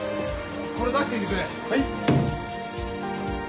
これ出してきてくれ。